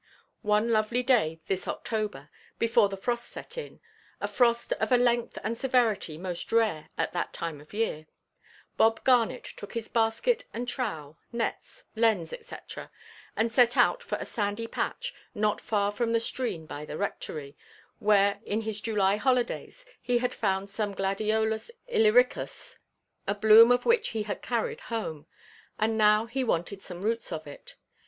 One lovely day this October, before the frost set in—a frost of a length and severity most rare at that time of year—Bob Garnet took his basket and trowel, nets, lens, &c., and set out for a sandy patch, not far from the stream by the Rectory, where in his July holidays he had found some Gladiolus Illyricus, a bloom of which he had carried home, and now he wanted some roots of it.